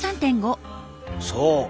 そう！